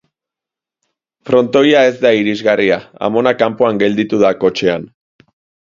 Frontoia ez da irisgarria, amona kanpoan gelditu da kotxean.